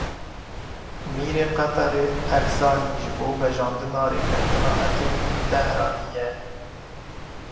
Mîrê Qeterê El Sanî ji bo vejandina rêkeftina etomî li Tehranê ye.